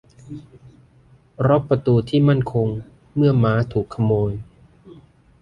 ล็อคประตูที่มั่นคงเมื่อม้าถูกขโมย